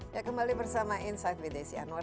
ya kembali bersama insight with desi anwar